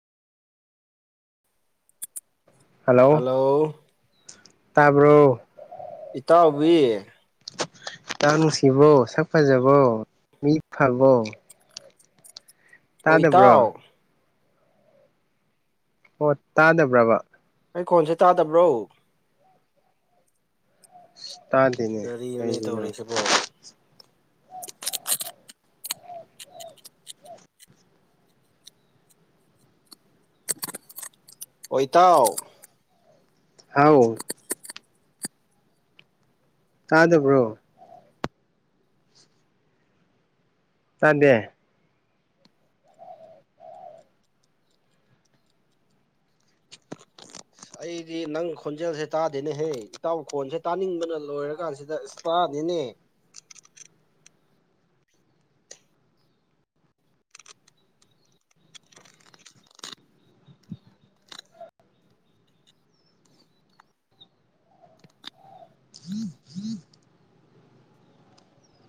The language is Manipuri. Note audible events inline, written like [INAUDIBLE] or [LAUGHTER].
ꯍꯦꯜꯂꯣ ꯍꯜꯂꯣ ꯇꯥꯕ꯭ꯔꯣ ꯏꯇꯥꯎꯕꯤ ꯏꯇꯥꯎ ꯅꯨꯡꯁꯤꯕꯣ ꯁꯛ ꯐꯖꯕꯣ ꯃꯤ ꯐꯕꯣ ꯑꯣ ꯏꯇꯥꯎ ꯇꯥꯗꯕ꯭ꯔꯣ ꯑꯣ ꯇꯥꯗꯕ꯭ꯔꯕ ꯑꯩ ꯈꯣꯟꯁꯦ ꯇꯥꯗꯕ꯭ꯔꯣ ꯁꯤ ꯇꯥꯗꯦꯅꯦ ꯀꯔꯤꯅꯣꯅꯦ ꯀꯩꯒꯤꯅꯣ ꯇꯧꯔꯤꯁꯤꯕꯣ [INAUDIBLE] ꯑꯣ ꯏꯇꯥꯥꯎ ꯍꯥꯎ ꯇꯥꯗꯕ꯭ꯔꯣ ꯇꯥꯗꯦ ꯑꯩꯗꯤ ꯅꯪ ꯈꯣꯟꯖꯦꯜꯁꯦ ꯇꯥꯗꯦꯅꯦꯍꯦ ꯏꯇꯥꯎ ꯈꯣꯟꯁꯦ ꯇꯥꯅꯤꯡꯕꯅ ꯂꯣꯏꯔꯀꯥꯟꯁꯤꯗ ꯏꯁ ꯇꯥꯗꯦꯅꯦ [INAUDIBLE]